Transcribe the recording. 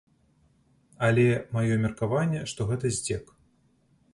Але маё меркаванне, што гэта здзек.